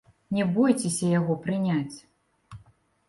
Не бойцеся яго прыняць!